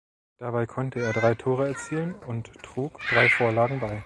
Dabei konnte er drei Tore erzielen und trug drei Vorlagen bei.